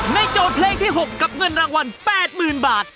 โจทย์เพลงที่๖กับเงินรางวัล๘๐๐๐บาท